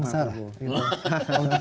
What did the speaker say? bicara bangsa lah